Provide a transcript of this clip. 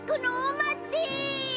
まって！